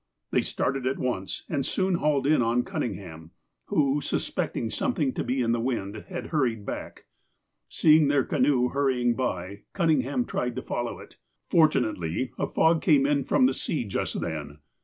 They started at once, and soon hauled in on Cunning FROM JUDGE DUNCAN'S DOCKET 215 ham, who, suspectiug something to be in the wind, had hurried back. Seeing their canoe hurrying by, Cunning ham tried to follow it. Fortunately, a fog came in from the sea just then.